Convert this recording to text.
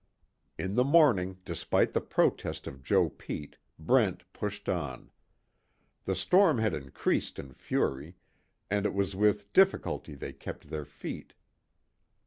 In the morning, despite the protest of Joe Pete, Brent pushed on. The storm had increased in fury, and it was with difficulty they kept their feet.